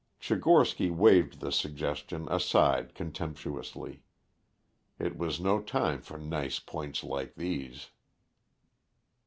Tchigorsky waved the suggestion aside contemptuously. It was no time for nice points like these.